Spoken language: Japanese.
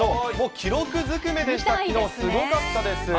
記録ずくめでした、きのう、すごかったです。